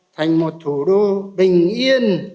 thành một thủ đô bình yên